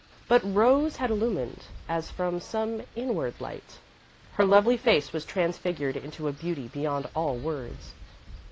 But Rose had illumined as from some inward light; her lovely face was transfigured into a beauty beyond all words.